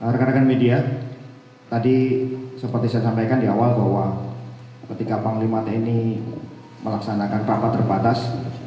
rekan rekan media tadi seperti saya sampaikan di awal bahwa ketika panglima tni melaksanakan rapat terbatas